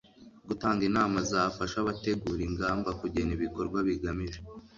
Gutanga inama zafasha abategura ingamba kugena ibikorwa bigamije